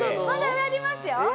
まだ上ありますよ。